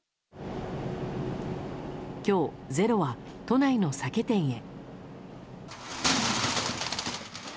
今日、「ｚｅｒｏ」は都内の酒店へ。